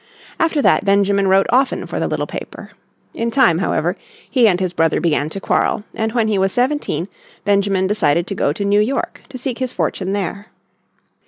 After that Benjamin wrote often for the little paper. In time however he and his brother began to quarrel, and when he was seventeen Benjamin decided to go to New York to seek his fortune there.